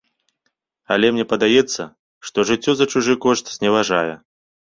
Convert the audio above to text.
Але мне падаецца, што жыццё за чужы кошт зневажае.